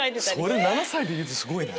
それ７歳でってすごいね。